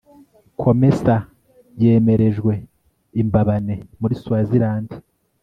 comesa yemerejwe i mbabane muri swaziland